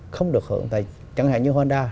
không được hưởng tại chẳng hạn như honda